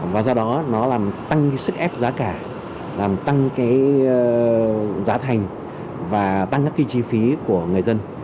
và do đó nó tăng sức ép giá cả tăng giá thành và tăng các chi phí của người dân